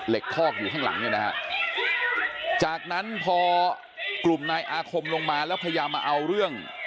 คอกอยู่ข้างหลังเนี่ยนะฮะจากนั้นพอกลุ่มนายอาคมลงมาแล้วพยายามมาเอาเรื่อง